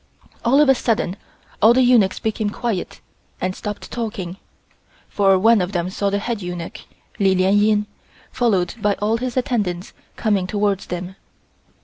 All of a sudden all the eunuchs became quiet and stopped talking, for one of them saw the head eunuch, Li Lien Ying, followed by all his attendants coming towards them.